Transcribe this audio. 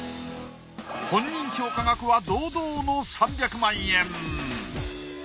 本人評価額は堂々の３００万円。